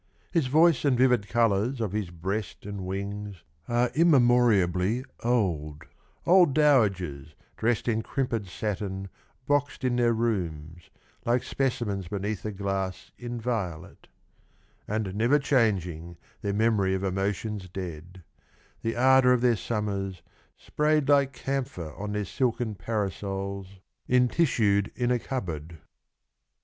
— His voice and vivid colours Of his breast and wings Are immemoriably old ; Old dowagers dressed in crimped satin Boxed in their rooms Like specimens beneath a glass Inviolate — and never changing, Their memory of emotions dead ; The ardour of their summers Sprayed like camphor On their silken parasols Intissued in a cupboard. 47 ' Psittachus eois imitatrix ales ab indis.''